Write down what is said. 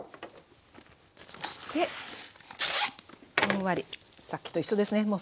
そしてふんわりさっきと一緒ですね。